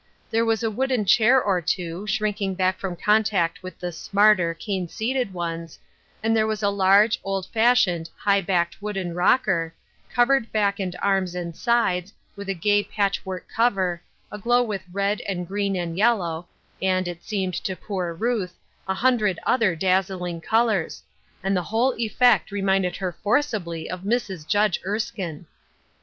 There was a wooden chair or two, shrinking back from contact with the " smarter " cane seated ones ; and there was a large, old fashioned, high backed wooden rocker, covered back and arms and sides, with a gay patch work cover, aglow with red and green and yellow, and it seemed, to poor Ruth, a hun dred other dazzling colors, and the whole effect reminded her forcibly of Mrs. Judge Erskine